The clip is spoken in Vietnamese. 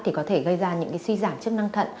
thì có thể gây ra những suy giảm chức năng thận